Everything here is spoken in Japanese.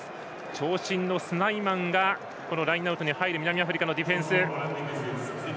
長身のスナイマンがラインアウトに入る南アフリカのディフェンス。